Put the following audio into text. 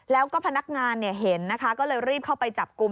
แล้วก็พนักงานเห็นนะคะก็เลยรีบเข้าไปจับกลุ่ม